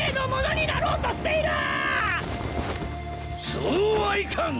そうはいかん！